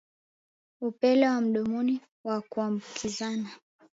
Upele wa mdomoni wa kuambukizana